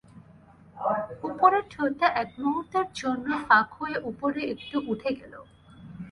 উপরের ঠোঁটটা এক মুহূর্তের জন্যে ফাঁক হয়ে উপরে একটু উঠে গেল।